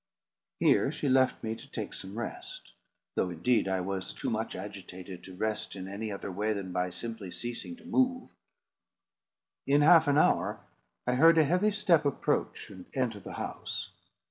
Here she left me to take some rest; though, indeed, I was too much agitated to rest in any other way than by simply ceasing to move. In half an hour, I heard a heavy step approach and enter the house.